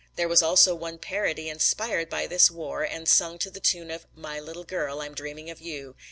There was also one parody inspired by this war and sung to the tune of "My Little Girl, I'm Dreaming of You."